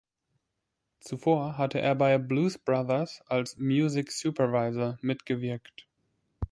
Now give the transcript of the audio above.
Zuvor hatte er bei "Blues Brothers" als "music supervisor" mitgewirkt.